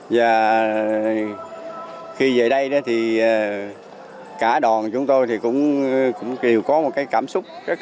và khi về đây thì cả đòn chúng tôi cũng có một cảm xúc